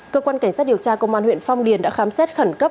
cơ quan cảnh sát điều tra công an huyện phong điền đã khám xét khẩn cấp